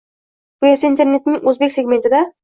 Bu esa internetning o‘zbek segmentida